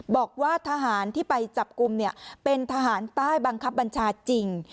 บอกว่าทหารที่ไปจับกลุ่มเป็นทหารใต้บังคับบัญชาจริง